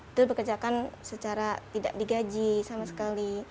itu dipekerjakan secara tidak digaji sama sekali